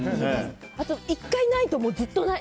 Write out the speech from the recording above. あと１回ないとずっとない。